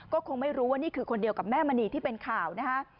ก็คงไม่รู้ว่านี่คือคนเดียวกับแม่มณีที่เป็นข่าวนะฮะ